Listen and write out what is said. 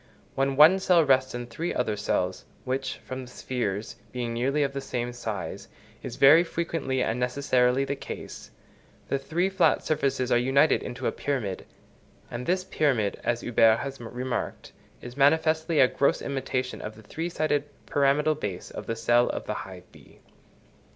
When one cell rests on three other cells, which, from the spheres being nearly of the same size, is very frequently and necessarily the case, the three flat surfaces are united into a pyramid; and this pyramid, as Huber has remarked, is manifestly a gross imitation of the three sided pyramidal base of the cell of the hive bee.